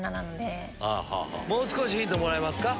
もう少しヒントもらいますか。